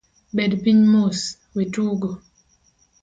Bed piny mos, wetugo.